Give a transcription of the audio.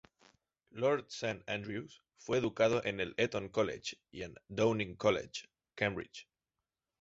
Lord St Andrews fue educado en el Eton College y en Downing College, Cambridge.